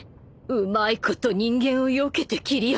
うまいこと人間をよけて斬りやがる